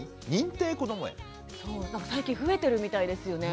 最近増えてるみたいですよね。